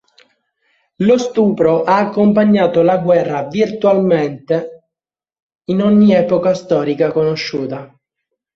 Lo stupro ha accompagnato la guerra virtualmente in ogni epoca storica conosciuta.